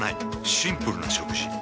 シンプルな食事。